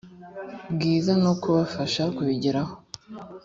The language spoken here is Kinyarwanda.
bwiza no kubafasha kubigeraho